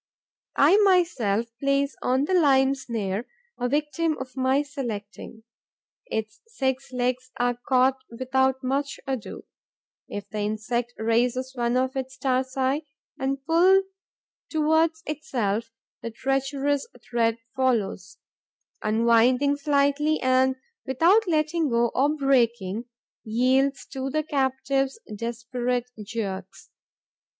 I myself place on the lime snare a victim of my selecting. Its six legs are caught without more ado. If the insect raises one of its tarsi and pulls towards itself, the treacherous thread follows, unwinds slightly and, without letting go or breaking, yields to the captive's desperate jerks.